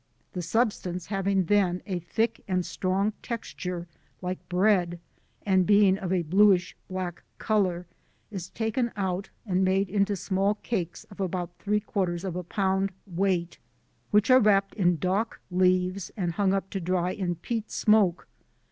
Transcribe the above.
The substance having then a thick and strong texture, like bread, and being of a blueish black colour, is taken out and made into small cakes of about 3/4 lb. in weight, which are wrapped in dock leaves and hung up to dry in peat smoke.